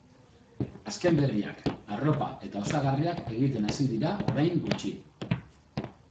Azken berriak, arropa eta osagarriak egiten hasi dira orain gutxi.